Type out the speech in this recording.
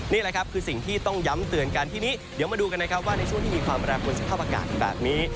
นี่แหละครับคือสิ่งที่ต้องย้ำเตือนกันทีนี้เดี๋ยวมาดูกันนะครับว่าในช่วงที่มีความแปรปวนสภาพอากาศแบบนี้